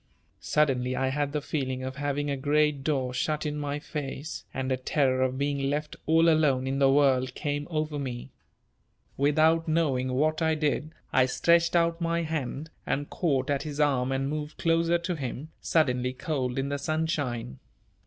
Suddenly I had the feeling of having a great door shut in my face, and a terror of being left all alone in the world came over me. Without knowing what I did I stretched out my hand and caught at his arm and moved closer to him, suddenly cold in the sunshine.